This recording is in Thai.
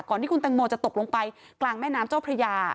ที่คุณตังโมจะตกลงไปกลางแม่น้ำเจ้าพระยา